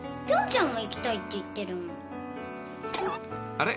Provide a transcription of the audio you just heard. ［あれ？